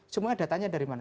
semua datanya darimana